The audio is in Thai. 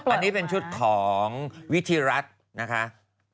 อันนี้เป็นชุดของวิธีรัฐนะคะ